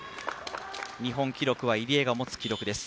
日本記録は入江が持つ記録です。